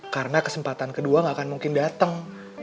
karena kesempatan kedua gak akan mungkin dateng